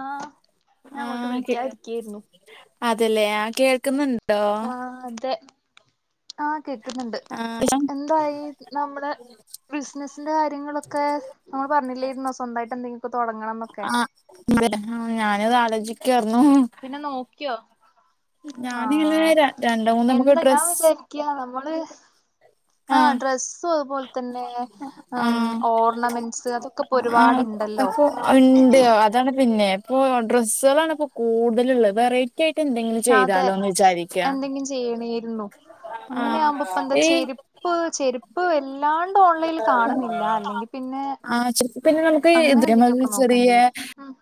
ആഹ് ഞാൻ അങ്ങോട്ട് വിളിക്കാ ഇരിക്കായിരുന്നു. അതല്ലേ ആ കേൾക്ക്ന്നുണ് ആഹ് അതെ, ആഹ് കേക്കുന്നിണ്ട്. ആഹ് [inaudible] എന്തായി നമ്മടെ ബിസിനസിന്റെ കാര്യങ്ങളൊക്കെ, നമ്മള് പറഞ്ഞില്ലായിരുന്നോ സ്വന്തായിട്ട് എന്തെങ്കിലൊക്കെ തുടങ്ങണംന്നൊക്കെ. [inaudible] ഞാനത് ആലോചിക്കാർന്നു. പിന്നെ നോക്കിയോ? ഞാനിങ്ങനെ ആഹ് രണ് രണ്ട് മൂന്ന് നമുക്ക് ഡ്രസ്സ് ക്ക നമ്മള്, ആ ആഹ് ഡ്രസ്സും അതുപോല് തന്നെ മ് ആഹ് ഓർണമെന്റ്സ് അതൊക്കെപ്പ ഒരുപാട്ണ്ടല്ലോ. അത്ണ്ട് അതാണ് പിന്നെ ഇപ്പോ ഡ്രസ്സുകളാണ്പ്പോ കൂടുതല്ള്ളെ വെറൈ കേയിട്ട് എന്തെങ്കിലും അതെ ചെയ്താലോന്ന് വിചാരിക്ക ചെയ്യണേരുന്നു അങ്ങനെയാവുമ്പോ ആഹ് പ്പന്താ ഈ ചെര്പ്പ് ചെര്പ്പ് വല്ലാണ്ട് പ്പോൺലൈനിൽ കാണുന്നില്ല അല്ലെങ്കി പിന്നെ ആഹ് ചെലപ്പോ പിന്നെ നമുക്ക് അങ്ങനെ ഇതിന് എന്തെങ്കിലൊക്കെ നോക്കേണ്ടി വരും ഉം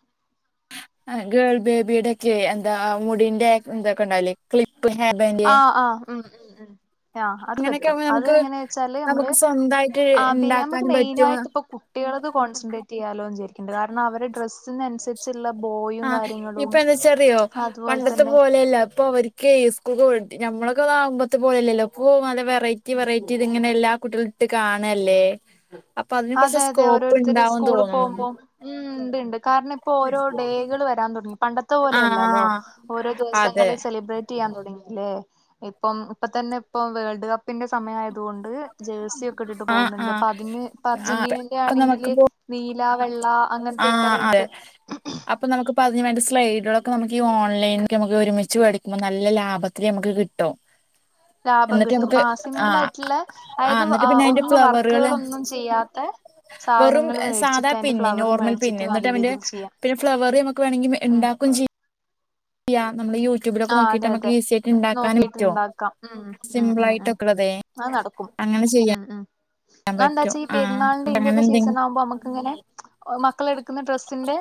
ആഹ് ഗേൾ ബേബിടെക്കെ എന്താ മുടിന്റെറെ തൊക്കെണ്ടാവൂലെ ആഹ് ആഹ് ഉം ഉം ഉം ആഹ്, അത് അങ്ങനെയൊക്കെ പറ്റും, ആവുമ്പോ അത് നമുക്ക് എങ്ങനേച്ചാല് അമ്മള് നമുക്ക് സ്വന്തായിട്ട് ആതേ അമ്മക്ക് ഇണ്ടാക്കാനും പറ്റും മെയിനായിട്ട്പ്പ കു കുട്യളത് കോൺസെട്രേറ്റെയ്യാലോന്ന് ചാരിക്ക [unintelligible] കാരണം അവരുടെ ഡ്രസ്സിനനുസരിച്ചിള്ള ബോയും കാര്യങ്ങളും യോ അതുപോലെ പണ്ടത്തെ തന്നെ പോലെയല്ല പ്പഅവര് കേസ്കൂ കോളിറ്റി നമ്മളൊക്കതാകുമ്പത്തെ പോലല്ലല്ലോ ഇപ്പൊ നല്ല വെറൈറ്റി വെറൈറ്റി ഇതിങ്ങനെ എല്ലാ കുട്ട്യാള് ട്ട് കാണല്ലേ. അപ്പൊ അതിന് കൊർച്ച് അതെ അതെ ഓരോരുത്തര് സ്കോപ്പ്ണ്ടാവും സ്കൂളിൽ തോന്ന്ണ് പോകുമ്പോം ഉം ണ്ട്ണ്ട് കാരണിപ്പോരോ ഡേകൾ വരാൻ തൊട്ങ്ങി പണ്ടത്തെ ആ പോലെയല്ലാല്ലോ, ഓരോ അതെ ദിവസങ്ങള് സെലിബ്രേ റ്റെയ്യാൻ തോടങ്ങീലേ.. ഇപ്പം ഇപ്പ തന്നെ ഇപ്പം വേൾഡ് കപ്പിന്റെ സമയായത് അതുകൊണ്ട് ജേഴ്സിയൊക്കെ ഇട്ടിട്ട് ആ ആ പോകുന്നുണ്ട്, പ്പതിന് ആ പ്പർജന്റീനന്റെ ആണെങ്കില് നീലാ വെള്ള അങ്ങനത്തെയൊക്കെ ആഹ് അതെ റെഡ് [unintelligible] അപ്പൊ നമുക്ക്പ്പോ അതിന് വേണ്ട സ്ലൈഡ്കളൊക്കെ നമുക്കീ ഓൺലൈൻക്ക് നമുക്ക് ഒരുമിച്ച് വേടിക്കുമ്പോ നല്ല ലാഭ ത്തില് ഞമ്മക്ക് കിട്ടും ലാഭം എന്നിട്ട് കിട്ടും, നമുക്ക് ആ സിമ്പിൾ ആയിട്ട്ള്ളെ ആ അതായത് എന്നിട്ട് പിന്നെ അതിന്റെ ഒന്നും ഫ്ലവറുകള് വർക്കുകളൊന്നും ചെയ്യാത്തെ വെറും സാധാ പിന്ന് നോ ർമൽ മേടിച്ചിട്ട് പിന്ന് ന്ന്ട്ട് നല്ല അതിന്റെ രീതിയിൽ ചെയ്യാം പിന്നെ ഫ്ലവർ ഞമ്മക്ക് വേണെങ്കി ഉം ഇണ്ടാക്കും ചെയ് യ്യാ നമ്മള് യൂ ആഹ് അതെ അതെ നോക്കിട്ട്ണ്ടാക്കാം ഉം ഉം സിമ്പിൾ ഉം ഉം ആയിട്ടൊക്കെ ഉള്ളതേ അത് നടക്കും അങ്ങനെ ഉം ചെയ്യാൻ ഉം പറ്റും ന്നാന്താച്ചാ ഈ ആ പെരുന്നാളിന്റെ അങ്ങനെ ഇയിന്റെയൊക്കെ എന്തെങ്കിലും സീസണാവുമ്പോ അമ്മക്ക്ങ്ങനെ ഒ മക്കളെടുക്കുന്ന ഡ്രെസ്സിന്റെ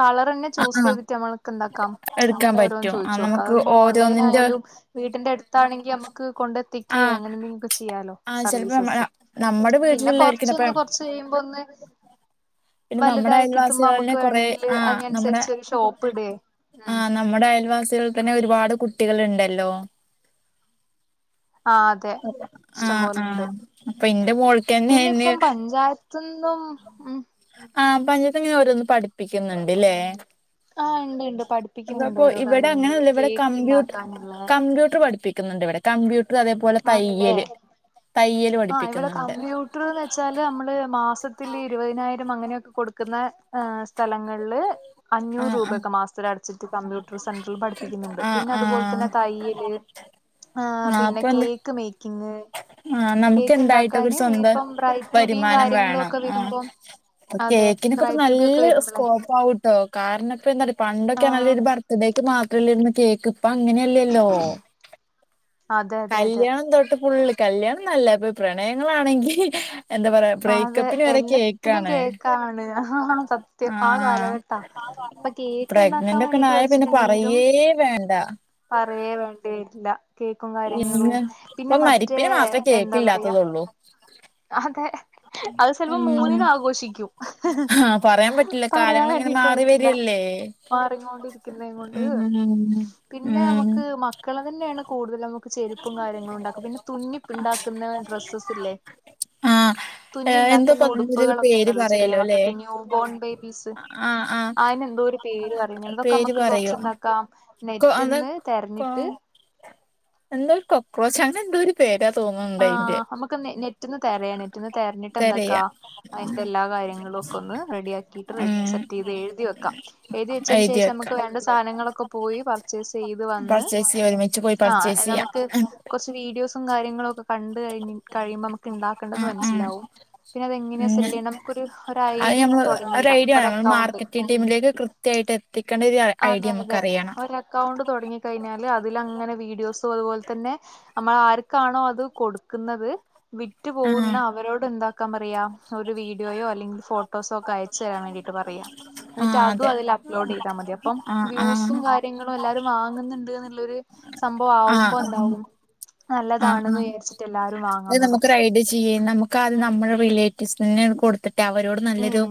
കളറെന്നെ ആ ചൂസ് ആ ചെയ്തിട്ട് നമ്മൾക്ക് എന്താക്കാം എടുക്കാൻ അങ്ങനെ ഓരോന്ന് പറ്റും ആ ചോയ്ചോക്കാം. നമുക്ക് അതാവുമ്പോ ഓരോന്നിന്റെ ഓൺലൈനായാലും വീട്ടിന്റെടുത്താണെങ്കി അമ്മക്ക് കൊണ്ടെ ആ ത്തിക്കേ അങ്ങനെന്തെങ്കിലൊക്കെ ചെയ്യാലോ ആ ചിലപ്പോ നമ്മ സർവീസസ് നമ്മുടെ പിന്നെ വീട്ടിലുള്ളവർക്ക് കൊർച്ചൊന്ന് കൊർ ച്ചയ്യുമ്പൊന്ന് പിന്നെ നമ്മുടെ വലുതായി കിട്ടുമ്പോ അയൽവാസികളിനെ അമ്മക്ക് കൊറെ വേണെങ്കില് ആ നമ്മുടെ അയ്നൻസര്ച്ചൊരു ഷോപ്പ്ടേ ഉം ആഹ് നമ്മുടെ അയൽവാസികളിൽ തന്നെ ന്നെ ഒരുപാട് കുട്ടികള്ണ്ടല്ലോ ആഹ് അതെ, ആഹ് ഇഷ്ടംപോലെണ്ട്. ആഹ് അപ്പൊ ഇന്റെ മോൾക്കന്നെ പിന്നെ അയിന് ഇപ്പം പഞ്ചായ ത്ത്ന്നും ഉം ആഹ് പഞ്ചായത്ത്ന്ന് ങ്ങനെ ഓരോന്ന് പഠിപ്പിക്ക്ന്ന്ണ്ട്ലേ ആഹ് ഇണ്ട് ഇണ്ട് പഠിപ്പിക്കുന്നുണ്ട് അതപ്പൊ ഓരോ കാര്യങ്ങള് ഇവിടങ്ങനെല്ല വടെ കേക്ക് കമ്പ്യൂ ഇണ്ടാക്കാനുള്ള കമ്പ്യൂട്ടർ പഠിപ്പിക്കുന്നുണ്ട് വടെ കമ്പ്യൂട്ട്ർ അതേപോലെ ആണല്ലേ തയ്യല് തയ്യല് പഠിപ്പിക്കുന്നുണ്ട് എത്രേന്ന് വെച്ചാല് അമ്മള് മാസത്തില് ഇരുപതിനായിരം അങ്ങനെയൊക്കെ കൊടുക്കുന്ന സ്ഥലങ്ങൾ ള് അഞ്ഞൂറ് ആഹ് ആഹ് രൂപെക്കെ മാസ്ത്തിലട ച്ച്ട്ട് കമ്പ്യൂട്ടർ സെന്ററിൽ പഠിപ്പിക്കുന്നുണ്ട്, ആഹ് പിന്നെ അതുപോലെ ആഹ് തന്നെ തയ്യല് ഏ ആഹ് പിന്നെ അപ്പൊ എന്താ കേക്ക് മേക്കിങ് ആഹ് കേക്ക് നമുക്കെന്തായിട്ടൊക്കൊരു ഇണ്ടാക്കാന് സ്വന്തം ഇപ്പം ബ്രൈറ്റ് ടു ബിയും വരുമാനം കാര്യങ്ങളും വേണം ഒക്കെ ആഹ് വരുമ്പം പ്പ അതെ കേക്കിനൊക്കെ ഇപ്പ ബ്രൈറ്റ് ടു ബി ഒക്കെ നല്ല വരുമ്പളേ സ്കോപ്പാവു കാരണം ഇപ്പോന്തറിയോ പണ്ടൊക്കെ പറഞ്ഞാല് ആഹ് ഒരു ബർത്ത് ഡേക്ക് മാത്രല്ലെര്ന്ന് കേക്ക് ഇപ്പൊ അങ്ങനെയല്ലേ ല്ലോ അതെ അതെ അതെ കല്യാണം തൊട്ട് ഫുള്ള് കല്യാണം ന്നല്ലാപ്പൊ പ്രണയങ്ങളാണെങ്കി എന്താ പറയാ അതെ ബ്രേയ്ക്കപ്പിന് വരെ എല്ലാത്തിലും കേക്കാണ് കേക്കാണ് ആ സത്യം ആ ആഹ് കാലഘട്ടാ ഇപ്പൊ കേക്ക് ഇണ്ടാക്കാൻ പ്രഗ്നന്റ് വേണ്ടിട്ട് ഒക്കെണ്ടായ പിന്നെ പഠിച്ചിട്ടുണ്ടെങ്കിലും പറയേ വേണ്ട പറയേ വേണ്ടേര്ല്ല കേക്കും കാര്യങ്ങളും, ഇന്ന് ഇപ്പൊ പിന്നെ മറ്റേ മരിപ്പിന് മാത്രേ എന്താ പറയാ കേക്കില്ലാത്തതൊള്ളൂ [inaudible] അതെ അത് ചിലപ്പോം മൂന്നിന് ഉം ആഘോഷിക്കും ആഹ് പറയാൻ പറ്റില്ല പറയാൻ കാലങ്ങളിങ്ങനെ വേണ്ടിട്ട് മാറി പറ്റില്ല വരല്ലേ മാറികൊണ്ടിരി പിന്നെ അങ്ങോട്ട് ഉം പിന്നെ ഉം നമുക്ക് മ മക്കള് തന്നെയാണ് കൂടുതൽ നമുക്ക് ചെരുപ്പും കാര്യങ്ങളും ഉണ്ടാക്കും പിന്നെ തുന്നി ഉണ്ടാക്കുന്ന ഡ്രസ്സസ് ഇല്ലേ ആഹ് തുന്നി ഏഹ് എന്തോ ഉണ്ടാക്കുന്ന പറഞ്ഞൊരു ഉടുപ്പുകളൊക്കെ പേര് ഉണ്ടല്ലോ ചെറിയ പറയല്ലോ ല്ലേ മക്കൾക്ക് ന്യൂ ബോൺ ബേബീസ് ആഹ് ആഹ് അയിന് എന്തോ ഒരു പേര് പറയുന്നു അതൊക്കെ പേര് നമുക്ക് കൊറച്ച് പറയോ എന്താക്കാം കൊ അത് നെറ്റിന് തെരഞ്ഞിട്ട് എന്താ കോക്ക്രാച്ച് അങ്ങനെ എന്താരു ആഹ് നമുക്ക് നെറ്റിന്ന് തേരായം നെറ്റിന്ന് തെരഞ്ഞിട് എന്താക്ക തെരയാ അതിൻ്റെ എല്ലാ കാര്യങ്ങളും ഒക്കെ ഒന്ന് റെഡിയാക്കിയിട്ട് ഉം സെറ്റ് ചെയ്ത് എഴുതി വെക്കാം എഴുതി വെച്ചതിന് ശേഷം നമുക്ക് വേണ്ട സാധനങ്ങളൊക്കെ പോയി പർച്ചേസ് ചെയ്ത് വന്ന് പർച്ചേസ് ചെയ്യാ ഒരുമിച്ച് പോയി ആഹ് പർച്ചേസ് അത് ചെയ്യാം നമുക്ക് കുറച്ച് വീഡിയോസും കാര്യങ്ങളും കണ്ട് കഴിഞ്ഞ കഴിയുമ്പോ നമുക്ക് ഉണ്ടാകേണ്ടത് ആഹ് ആഹ് മനസ്സിലാവും പിന്നെ അതെങ്ങനെയാ ഉം സെല് ഉം. ചെയ്യണം നമുക്കൊരു ഒരു ഐ അത് ഡി ഞമ്മള് ഒരു തുടങ്ങിടാം ഐഡിയ ഒ വേണം നമ്മൾ അക്കൗണ്ട് മാർക്കറ്റിംഗ് ഉം ടീമിലേക്ക് കൃത്യായിട്ട് എത്തിക്കേണ്ടോരു അതെ ഐഡിയ അതെ അമ്മക്കറിയണം ഒരു അക്കൗണ്ട് തുടങ്ങി കഴിഞ്ഞാല് അതിൽ അങ്ങനെ വീഡിയോസും അതുപോലെ തന്നെ നമ്മൾ ആർക്കാണോ അത് കൊടുക്കുന്നത് വിറ്റു പോകുന്ന ആഹ് അവരോട് എന്ത ക്ക പറയാ ഒരു വീഡിയോയോ അല്ലെങ്കിൽ ഫോട്ടോസോ ഒക്കെ അയച്ചു തരാൻ വേണ്ടിട്ട് പറയാ ആ എന്നിട്ട് അതെ അതും അതിൽ അപ്ലോഡ് ചെയ്താൽ മതിയാ ആ ആ വ്യൂസും കാര്യങ്ങളും എല്ലാരും വാങ്ങുന്നുണ്ട് എന്നുള്ളരു സംഭവം ആവുമ്പോ എന്താവും ആഹ് നല്ലതാണെന്ന് ആഹ് വിചാരിച്ചിട്ട് എല്ലാരും അത് വാങ്ങാൻ നമുക്ക് തുടങ്ങും ഐഡിയ ചെയ്യാം നമുക്ക് ആദ്യം ഉം നമ്മള റിലേറ്റീവ്സ് തന്നെയ കൊടുത്തിട്ട് അവരോട് നല്ലൊരു ഉം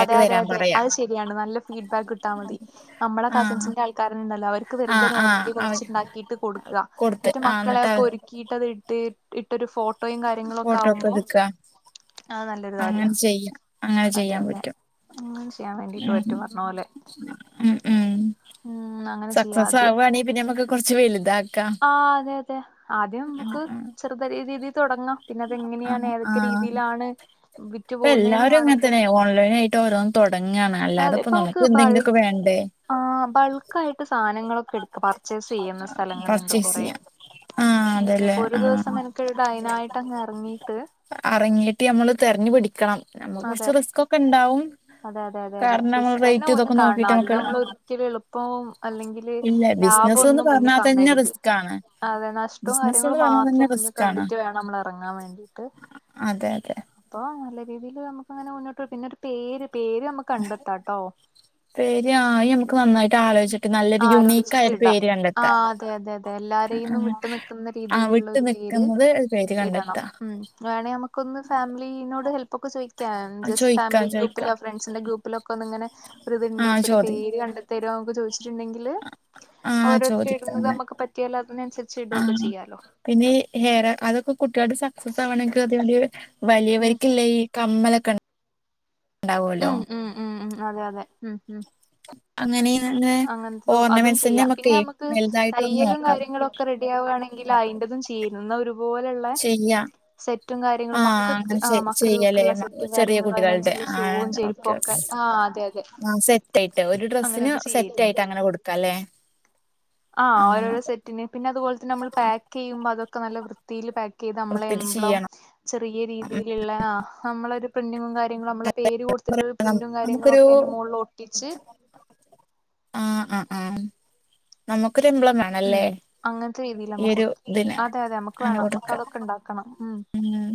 അതെ അതെ തരാൻ അതെ പറയാ അത് ശരിയാണ് നല്ല ഫീഡ്ബാക്ക് കിട്ടാ മതി നമ്മളെ ആ കസിൻസിന്റെ ആൾക്കാരുണ്ടാലോ അവരും ആ വെറുതെ ആ നോർമലി അവര് കുറച്ചുണ്ടാക്കിട്ട് കൊടുക്കുക കൊടുത്ത് എന്നിട്ട് ആ മക്കളെയൊകെ ഒരുക്കിയിട്ട് അതിട്ട് ഇട്ടൊരു ഫോട്ടോയും കാര്യങ്ങളും ഒക്കെ ഫോട്ടോ ആകുമ്പോ എടുക്കുക അത് നല്ലൊരു അങ്ങനെ കാര്യമാണ് ചെയ്യാം അങ്ങനെ ചെയ്യാൻ പറ്റും അങ്ങനെ ചെയ്യാൻ വേണ്ടിട്ട് പറ്റും ഉം പറഞ്ഞ പോലെ ഉം ഉം ഉം അങ്ങ സക്സസ് ആവാണെങ്കിൽ പിന്നെ നമുക്ക് കുറച്ച് വലുതാ ആഹ് അതെ അതെ ആദ്യം നമുക്ക് ചെറുത് രീതില് തുടങ്ങാം പിന്നെ അത് ആ എങ്ങനെയാണ് ആ ഏതൊക്കെ ആ രീതിയിലാണ് വിറ്റു ഇപ്പൊ പോകുന്നെന്ന് എല്ലാവരും ഇങ്ങനെ കാണുമ്പോ തന്നെ ഓൺലൈൻ - യിട്ട് ഓരോന്ന് തുടങ്ങാണ് അതെ അല്ലാതെതിപ്പോ ഇപ്പൊ നമുക്ക് ബൾ എന്തെങ്കിലുമൊക്കെ വേണ്ടേ ആഹ് ബൾക്ക് ആയിട്ട് സാധനങ്ങളൊക്കെ എടുക്ക പർച്ചേസ് ചെയ്യുന്ന സ്ഥലങ്ങളുണ്ട് പർച്ചേസ് കൊറെ ചെയ്യാം ആഹ് ഉം അതല്ലേ അപ്പൊ ഒരു ദിവസം ആഹ് മെനക്കെട് അയിനായിട്ട് അങ് ഇറങ്ങീട്ട് അറങ്ങിയിട്ട് നമ്മള് തെരഞ്ഞു പിടിക്കണം അതെ കുറച്ച് റിസ്ക് ഓകെ ഉണ്ടാവും അതെ അതെ അതെ അതെ കാരണം നമ്മൾ റിസ്ക് തന്നെ റേറ്റ് ഒന്നും ഇതൊക്കെ കാണണം നോക്കിട്ട് ആദ്യം നമുക്ക് നമ്മൾ ഒരിക്കലും എളുപ്പവും അല്ലെങ്കില് ഇല്ല ലാഭം ബിസിനസ്ന്ന് ഒന്നും മുന്നിൽ പറഞ്ഞാൽ തന്നെ കാണരുത് റിസ്ക് ആണ് അതെ നഷ്ടവും ബിസിനസ്ന്ന് കാര്യങ്ങളും പറഞ്ഞാൽ തന്നെ മാത്രം മുന്നിൽ റിസ്ക് ആണ് കണ്ടിട്ട് വേണം നമ്മള് ഇറങ്ങാൻ വേണ്ടിട്ട് അതെ അതെ അപ്പൊ നല്ല രീതിൽ നമുക്ക് അങ്ങനെ മുന്നോട്ട് പിന്നൊരു പേര് പേര് നമ്മുക്ക് കണ്ടെത്താട്ടോ പേര് ആയി നമുക്ക് നന്നായിട്ട് ആലോചിച്ചിട്ട് നല്ലൊരു യുണീക്ക് ആലോചിച്ചിട്ട് ആയ ഒരു ഇടാം പേര് ആ കണ്ടെത്താം അതെ അതെ അതെ എല്ലാരെന്നും ആഹ് വിട്ടു നിൽക്കുന്ന ആഹ് രീതിയിലുള്ള വിട്ട് ഒരു പേര് നിക്കുന്നത് പേര് ഇടണം കണ്ടെത്താ ഉം വേണേ നമുക്കൊന്ന് ഫാമിലീനോട് ഹെൽപ് ഒക്കെ ചോദിക്കാൻ ജസ്റ്റ് ചോയിക്കാം ഫാമിലി ഗ്രൂപ്പ് ചോയിക്കാം ഗ്രൂപ്പിലോ ഫ്രണ്ട്സിന്റെ ഗ്രൂപ്പിലൊക്കെങ്ങനെ ഒരു ഇതുണ്ട് ആഹ് ഇപ്പൊ ഒരു ചോദി പേര് കണ്ടെത്തരൊക്കെ ചോദിച്ചിട്ടുണ്ടെങ്കില് ആഹ് ഓരോരുത്തർ ഇടുന്നത് ചോദിക്കാണ് നമുക്ക് പറ്റിയേല അതിനനുസരി ആഹ് പിന്നെ ഹെയർ അതൊക്കെ കുട്ടികളടെ സക്സസ് ആവണെങ്കിൽ അതിണ്ട ഉം വലിയവരിക്കുല്ലേ ഈ കമ്മലക്കെ ഇണ്ടാവുല്ലോ ഉം ഉം ഉം അതെ അതെ ഉം ഉം അങ്ങനെ അങ്ങനത്തതും അതും ചെയ്യാം ഓർണമെന്റസിനമുക്കെ വലുതായിട്ട് ഒന്ന് നോക്കാം ഒക്കെ റെഡി ആവുവാണങ്കിൽ അതിന്റതും ചേരുന്ന ഒരുപോലെള്ള ചെയ്യാ ആഹ മക്കൾക്ക് അങ്ങനെ ആ ചെയ്യലേ മക്കൾക്കുള്ള സെറ്റും ചെറിയ കാര്യങ്ങളും കുട്ടികളുടെ അതിനനുസരിച്ചുള്ള ഷൂവും ആഹ ചെരുപ്പും ഒക്കെ ആ അതെ അതെ ആ സെറ്റായിട്ട് ഒരു ഡ്രസിന് അങ്ങനെയൊക്കെ സെറ്റ് ചെയ്യായിരുന്നു ആയിട്ട് അങ്ങനെ കൊടുക്കല്ലേ ആ ഓരോ സെറ്റിന് പിന്നെ അത് പോലെ തന്നെ നമ്മൾ പാക്ക് ചെയ്യ്പോ അതൊക്കെ നല്ല വൃത്തി വൃത്തിൽ പാക്ക് ചെയ്ത് നമ്മളെ വൃത്തിയിൽ എമ്പ്ളം ചെയ്യണം ചെറിയ ഉം. രീതിയിലുള്ള നമ്മളൊരു പ്രിന്റിങ്ങും കാര്യങ്ങളും നമ്മള് പേര് കൊടുത്തിട്ട് പ്രിന്റും കാര്യങ്ങളും ഒക്കെ നമുക്കൊരു അതിന്റെ മോളിൽ ഒട്ടിച്ച് ആഹ് ആഹ് ആഹ് നമുക്കൊരുമ്പളം വേ ഉം അങ്ങനത്തെ രീതിയിൽ നമ്മ കൊടുക്കും ഇതിന് അതെ അതെ നമക്ക് അങ്ങനെ വേണം നമക്ക് കൊടുക്ക അതൊക്കെ ഇണ്ടാകും ക്കണം ഉം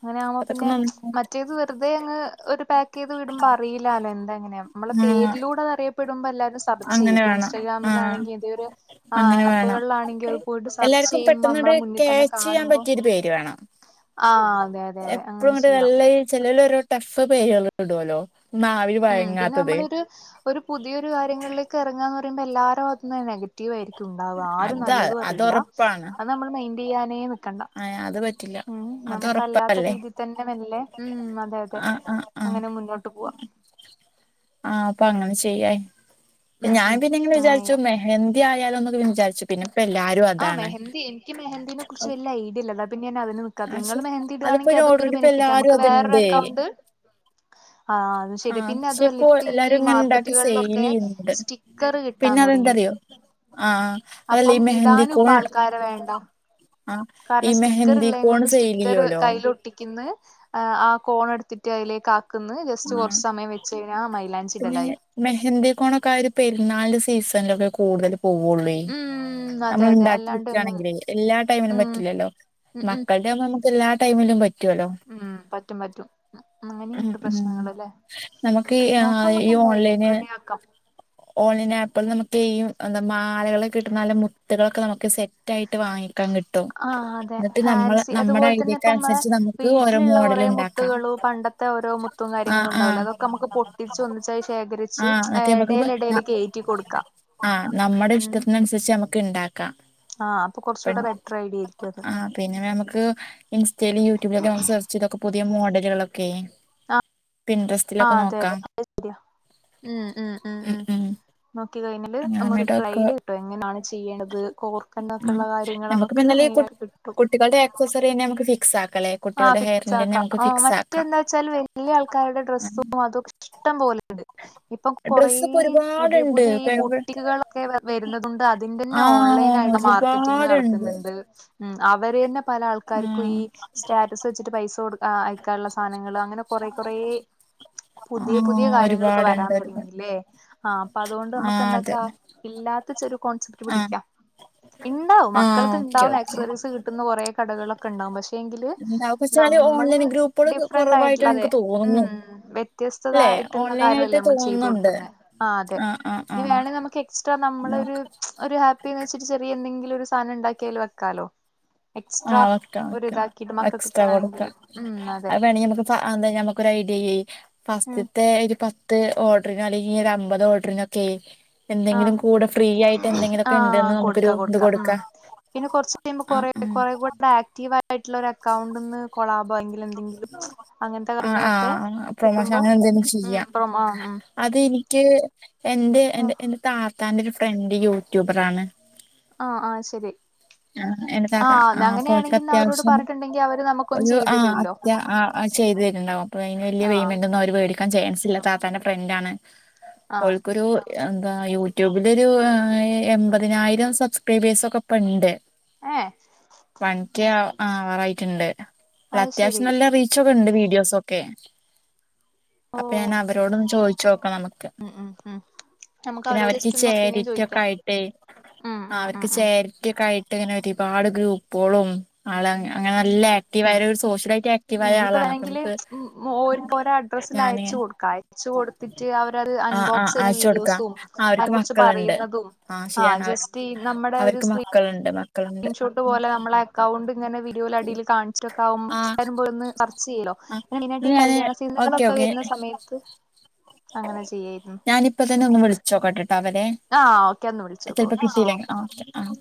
അങ്ങനാവുമ്പോ അതൊക്കെ പിന്നെ നന്നായിട്ട് മറ്റേത് വെറുതെ അങ്ങ് ഒരു പാക് പാക്കെയ്ത് വിടുമ്പം അറില്ലാലോ എന്താ എങ്ങനെയ നമ്മള് ആഹ് പേരിലൂടെ അറിയപ്പെടുമ്പോ എല്ലാരും സെർച്ച് ചെയ്യും അങ്ങനെ ഇപ്പൊ വേണം ആഹ് ഇൻസ്റ്റാഗ്രാമിലാണെങ്കിൽ ഇത് ഒരു ആ അങ്ങനെ വേണം ആപ്പുകളിലാണെങ്കിൽ അത് പോയിട്ട് സെർച്ച് ചെയ്യുമ്പോ നമ്മളെ മുന്നിൽ തന്നെ കാണുമ്പോ ന്റെ പേര് വേണം ആഹ് അതെ അതെ അതെ എപ്പോഴും അങ്ങനെ ഇങ്ങട്ട് ചെയ്യണം നല്ല ചിലൊരു ടഫ് പേരള്ളു ഇടുല്ലോ നാവിൽ ഉം പിന്നെ വയങ്ങാത്തത് നമ്മളൊരു ഒരു പുതിയൊരു കാര്യങ്ങളിലേക്ക് ഇറങ്ങാന്ന് പറയുമ്പോ എല്ലാരും അതിന് നെഗറ്റീവ് ആയിരിക്കും ണ്ടാവുവാ ആരും അതാ നല്ലതും പറിയില്ല അതൊറപ്പാണ് അത് നമ്മൾ മയിൻ്റ് ചെയ്യാനേ നിക്കണ്ട ആ അത് പറ്റില്ല ഉം നമുക്കല്ലാത്ത അതൊറപ്പല്ലേ രീതിയിൽ തന്നെ വല്ലേ ഉം അതെ അതെ ആഹ് ആഹ് ആഹ് അങ്ങനെ മുന്നോട്ട് പോവാം ആഹ് അപ്പ അങ്ങനെ ചെയ്യാ ഇനി ഉം ഞാൻ ഉം പിന്നെ ഇങ്ങനെ അങ്ങനെ ചെയ്യാം വിചാരിച്ചുമ്മേ മെഹന്തി ആയാലോ ന്നൊക്കെ വിചാരിച്ചു പിന്നെപ്പ എല്ലാരും ആഹ് അതാണ് മെഹന്തി എനിക്ക് മെഹന്തിനെ കുറിച്ച് വലിയ ഐഡില്ല അത് പിന്നാ അതിന് നിക്കാത്തെ പക്ഷെ നിങ്ങൾ മെഹന്തി അതിപ്പോ ഇടുകയാണെങ്കിൽ അതൊരു ഓൾറെഡി ഇപ്പ ബെനിഫിറ്റ് എല്ലാരും നമുക്ക് വേറെ അതുണ്ട് അക്കൗണ്ട് ആ അത് ശരി ആഹ് പിന്നെ പക്ഷെ അതുല്ല ഇപ്പോ ഇപ്പ ഈ എല്ലാരും ഇങ്ങനെ ഇണ്ടാക്കി സെയിൽ മാർക്കറ്റുകളിലൊക്കെ ചെയ്യുന്നുണ്ട് സ്റ്റിക്കർ കിട്ടാൻ തുടങ്ങി ആ ത്ത അപ്പം അതല്ല മെഹന്തി ഇടാനും ഇപ്പ കോൺ ആൾക്കാരെ വേണ്ട ആഹ് ഈ കാരണം സ്റ്റിക്കർ മെഹന്തി ഇള്ള. യ്നെ കോൺ കൊണ്ട് സെയിൽ സ്റ്റിക്കർ ചെയ്യുവല്ലോ കൈ ഇലൊട്ടിക്കുന്നു ആ കോൺ എടുത്തിട്ട് അതിലേക്ക് ആക്കുന്നു ജസ്റ്റ് ആഹ് കുറച്ച് സമയം വെച്ച് കഴിഞ്ഞാൽ മൈലാഞ്ചി ഇടലായി മെഹന്ദി കോണക്കാര് പെരുന്നാളിന്റെ സീസണിലൊക്കെ കൂടുതലും പോവുള്ളു ഉം നമ്മൾ അതെ അതെ ഉണ്ടാക്കി അല്ലാണ്ട് ഒന്നും വക്കുകയാണെങ്കിൽ എല്ലാ ടൈമിനും ഉം പറ്റില്ലല്ലോ ഉം ഉം മക്കളുടെ ആകുമ്പോ നമുക്ക് എല്ലാ ടൈമിലും പറ്റുവല്ലോ ഉം പറ്റും പറ്റും ഉം അങ്ങനെയുണ്ട് ഉം പ്രശ്നങ്ങളല്ലെ നമുക്ക് ഈ ആ ഈ നോക്കാമക്ക് എന്തായല്ലും ഓൺലൈന് റെഡി ആക്കാം ഓൺലൈൻ ആപ്പിൽ നമുക്ക് ഈ എന്താ മാലകളെ കിട്ടുന്ന നല്ല മുത്തുകളൊക്കെ നമുക്ക് സെറ്റ് റ്റായിട്ട് വാങ്ങിക്കാൻ കിട്ടും ആഹ് അതെ എന്നിട്ട് നമ്മള് ഫാൻസി നമ്മുടെ അതുപോലെ തന്നെ ഐഡിയക്ക് ഇപ്പമ്മളെ അനുസരിച്ച് നമുക്ക് ഓരോ വീട്ടിലുള്ള മോഡൽ കുറെ ഉണ്ടാക്കാം മുത്തുകളും പണ്ടത്തെ ത്തെ ഓരോ മുത്ത ത്തും ആ കാര്യങ്ങളും ആ ഉണ്ടാവില്ല അതൊക്കെ നമുക്ക് പൊട്ടിച്ച് ഒന്നിച്ചായി ശേഖരിച്ച് എടേൽ എടേൽ കയറ്റി കൊടുക്കാം ആഹ് നമ്മുടെ ഇഷ്ടത്തിനനുസരിച്ച് നമുക്ക് ഇണ്ടാക്കാം ആഹ് അപ്പൊ കുറച്ചുകൂടെ ബെറ്റർ ഐഡിയ ആയിരിക്കും അത് ആ പിന്നെ നമുക്ക് ഇൻസ്റ്റേലും യൂട്യൂബിലൊക്കെ നമുക്ക് സർച്ച് ചെയ്തൊക്കെ പുതിയ മോഡൽകൾഒക്കെ ആഹ് പിൻട്രസ് ആഹ് അതെ അതെ [unintelligible] ഊ ഉം ഉം ഉം നോക്കി കഴിഞ്ഞല് അങ്ങനമായിട്ടൊക്കെ അമ്മക്ക്ട്ടു [unintelligible] പ്പെങ്ങനാണ് ചെയ്യേണ്ടത് കോർക്കണ്ടൊക്കെ ള്ള കാര്യങ്ങളമക്ക് മെയ്നായ് കിട്ടും ട്ടികൾടെ ഏക്സസെറിയെന്നെ മ്മക്ക് ഫിക്സാക്കലേ ആ ഫിക്സാക്കാ ആ മറ്റെന്താച്ചാല് വല്ല്യാൾക്കാരുടെ ഡ്രസ്സു അതു ഷ്ടം പോലെ ണ്ട് ഇപ്പം കൊറേ ഡ്രസ്സ് ഇപ്പൊ പുതിയ ഒരുപാടുണ്ട് പുതിയീ ഇപ്പ എവി ബുട്ടിക്‌കളൊക്കെ വ വെരുന്നതുണ്ട് അ ത്‌ന്റെന്നെ ആ ഓൺലൈനായിട് മാർക്കറ്റിങ്ങ് ഒരുപാടുണ്ട് നടക്ക്ന്ന്ണ്ട് ഉം അവര് തന്നെ പല ആ ആൾക്കാർക്കും ഈ സ്റ്റാറ്റസ് വെച്ച്ട്ട് പൈസ കൊടുക്ക ആ അയക്കാൻള്ള സാനങ്ങള് അങ്ങന കൊറെ കൊറേ ആ പുതിയ പുതിയ കാര്യങ്ങള് പ്പൊ വരാം ഒരുപാടുണ്ട് ഒരുപാട് തൊടങ്ങില്ലേ ആപ്പതു കൊണ്ട് ആ അതെ നമ്മക്കെന്താക്കാ ഇല്ലാത്ത ച്ചൊരു കോൺസെപ്റ്റ് ആ പിടിക്കാം ഇണ്ടാവും ആ ഓക്കെ മക്കളത്ണ്ടാവും ഓക്കെ ആക്സസറീസ് കിട്ടുന്ന കൊറേ കടകളൊക്കെണ്ടാവും പക്ഷെങ്കിൽ ത് എന്താ പക്ഷെ നമ്മള് ഓൺലൈൻ ഗ്രൂപ്പുകൾ കുറവായിട്ട് ഡിഫ്രണ്ടായിട്ട്ള്ളതെ എനിക്ക് ഊം തോന്നുന്നു വ്യ ല്ലേ ത്യസ്തതായിട്ട്ള്ള ഓൺലൈൻ ആയിട്ട് കാര്യല്ലെ നമ്മൾ ചെയ്ത് തോന്നുന്നുണ്ട് കൊടുക്കുന്നെ ആ അതെ ആഹ് ആഹ് നി ആഹ് വേണെ നമ്മക്കെ സ്ട്രാ നമ്മളൊര് നോക്ക ഒര് ഹാപ്പിന്നച്ച്ട്ട് ചെറിയെന്തെങ്കിലൊരു സാനണ്ടാക്ക്യയ്ല് വെക്കാലൊ ആഹ് വെക്കാം വെക്കാ എക്സ്റ്റാ മക്കക്കൊക്കെ കൊടുക്കാ ആണെങ്കില് ഉം അതെ അവെ ണീ അമ്മക്ക് ഫ അന്ന് ഞമ്മക്കൊരയ്ഡിയെയെ ഉം ഫസ്റ്റ്ത്തെ‌ ഒര് പ ത്ത് ഓഡ്രിനാലിനി ഒരമ്പതോഡ്രിനൊക്കെയ് എന്തെങ്കിലും ആഹ് കൂട ഫ്രീയായി ട്ടെന്തെങ്കിലൊക്കെണ്ട്ന്ന് നമുക്കൊരു ത് കൊട്ക്കാ പിന്ന കൊർച്ച്‌ യുമ്പോ കൊറെ കൊറെ കൂടാക്റ്റീവായിട്ടുള്ള രെക്കൗണ്ട്ന്ന് കൊളബോ അല്ലെങ്കിൽ എന്തെങ്കിലും അങ്ങനത്തെ ആഹ് ആഹ് കാര്യങ്ങളൊക്കെ ആഹ് കിട്ടുമ്പോം ഉം പ്രമോ ആ ഉം അതെനിക്ക് എന്റെ എന്റെ ആഹ് എന്റെ താത്താന്റൊരു ഫ്രണ്ട് യൂടൂബറാണ് ആ ആഹ് ശരി ആ ആഹ് [unintelligible] ആപ്പോ അങ്ങനെയാണെങ്കിൽ ന്നാ അവരോട് ൽക്കത്യാവശ്യം പറഞ്ഞിട്ടുണ്ടെങ്കി അവര് നമുക്കൊന്ന് ഒഞ്ഞു ചെയ്തു ആ തരുല്ലോ ഞ ആ അ ചെയ്തെര്ണൊ അപ്പൊഴയ്ന് വല്ല്യ ആഹ് പെയ്മെന്റൊന്നു അവര് വേടി ക്കാൻ ചേൻസില്ല താത്താന്റെ ഫ്രന്റാണ് ആഹ് ഓൽക്കൊരൂ യെന്താ യൂടൂബിലൊരു എ എമ്പതിനായിരം സബ്സ്ക്രൈബേഴ്സൊക്കപ്പണ്ട് ഏഹ് വൺക്ക്യാ ആവാറായിറ്റ്ണ്ട് അത് ശരി ഒരത്യാശ്യം നല്ല റീ ച്ചൊകണ്ട് വീഡിയോസൊക്കെ അപ്പെ ഞാനവരോടൊന്ന് ചോയിച്ചോക്ക നമ്ക്ക് ഉ ഉ ഉം നമുക്ക് അവരോട് പിന്നവര്ക്ക് ജസ്റ്റ് ഒന്ന് ഒപ്പീനിയൻ ചേരിറ്റിയൊക്കാ ചോദിക്കാം യിട്ടെ ഉം ഉം ഉം ആവര്ക്ക് ഉം ചേര് റ്റിയൊക്കായിട്ട് ങ്ങനെരിപാട് ഗ്രൂപൊളും ആള് അങ് അങ്ങനല്ലെ റ്റീവായൊരു സോഷ്യലായിറ്റാ ഉം ക്റ്റീവായ ഇപ്പൊ ആളാണ് വേണെങ്കില് അപ്പംക്ക് ഞാന് ച്ച് കൊടുത്തിറ്റ് അവരത് ആഹ് ആഹ് അൺബോക്സ് യ്യുന്ന അയച്ചു കൊടുക്കാം വീഡിയോസും ആ അവർക്ക് [unintelligible] കുർച്ച് മക്കളുണ്ട് പറീന്നതു ആ ജസ്റ്റി നമ്മടെ ഒരു സ്ക്രീ ക്കൽണ്ട് മ ഇൻഷൂട്ട് പോലെ നമ്മളെ എക്കൗണ്ട് ങ്ങന വീഡിയോല ടീല് കാൺച്ച്ട്ടൊക്കാമ്പോ ആഹ് ലാരും പോയൊന്ന് സർച്ചെയ്യിലൊ ആഹ് [unintelligible] ഈ ഞാന് കല്യാണ ഓക്കെ സീന്കളൊക്ക ഓക്കെ വെര്ന്ന സമയത്ത് അങ്ങന ചെയ്യായി ഞാനിപ്പ തന്നെ ഒന്ന് വ്ൾച്ചോക്കട്ടട്ടോ അവരേ ആഹ് ഓക്കെ ഒന്ന് അ വിളിച്ചോക്ക് ഓക്കെ ചെൽപ്പകിട്ടീല്ലെ ശരി ആ കെ ആഹ്